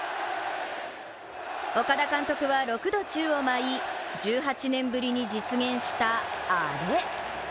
岡田監督は６度、宙を舞い、１８年ぶりに実現したアレ。